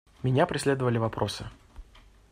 Меня преследовали вопросы.